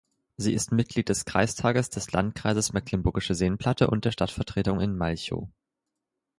Sie ist Mitglied des Kreistages des Landkreises Mecklenburgische Seenplatte und der Stadtvertretung in Malchow.